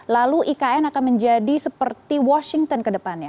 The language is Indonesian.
lalu ikn akan menjadi seperti washington ke depannya